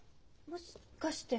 もしかして？